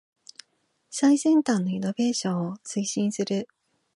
最先端のイノベーションを推進する